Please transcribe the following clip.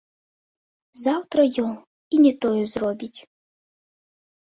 Заўтра ён і не тое зробіць.